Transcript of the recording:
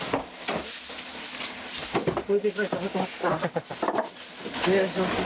お願いします。